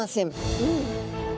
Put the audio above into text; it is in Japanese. うん。